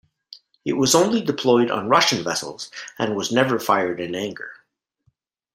It was only deployed on Russian vessels, and was never fired in anger.